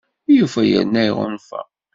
Yufa yerna iɣunfa!